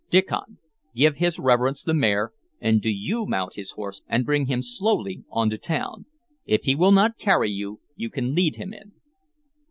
"Diccon, give his reverence the mare, and do you mount his horse and bring him slowly on to town. If he will not carry you, you can lead him in."